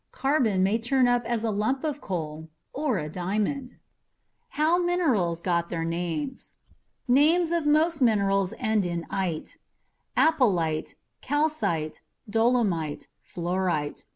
Carbon may turn up as a lump of coal or a diamond. How Minerals Got Their Names Names of most minerals end in "ite" apatite, calcite, dolomite, fluorite.